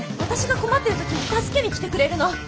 私が困ってる時に助けに来てくれるの。